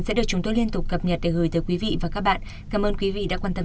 đến đây chúng tôi liên tục cập nhật được gửi tới quý vị và các bạn cảm ơn quý vị đã quan tâm